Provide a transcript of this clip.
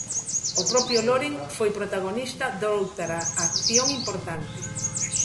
O propio Loren foi protagonista doutra acción importante.